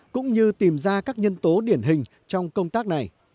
cũng như tìm ra các nhân tố điển hình trong công tác này